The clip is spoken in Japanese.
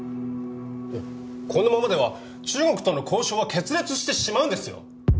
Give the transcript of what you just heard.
このままでは中国との交渉は決裂してしまうんですよ！